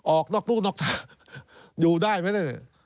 ออกนอกลูกนอกทางอยู่ได้ไหมเนี่ย